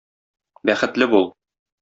Бәхетле бул!